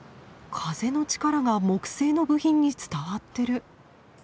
風の力が木製の部品に伝わってる。